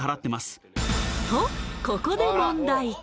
ここで問題